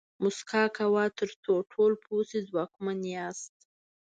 موسکا کوه تر څو ټول پوه شي ځواکمن یاست.